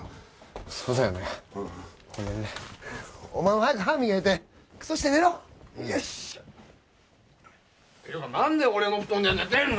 そうだよねごめんねお前も早く歯を磨いてクソして寝ろ何で俺のふとんで寝てんの！